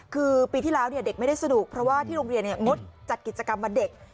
คือปีที่แล้วเด็กไม่ได้สนุกเพราะว่าที่โรงเรียนงดจัดกิจกรรมวันเด็ก